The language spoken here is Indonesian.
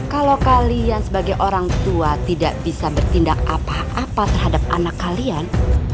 kalau kalian sebagai orang tua tidak bisa bertindak apa apa terhadap anak kalian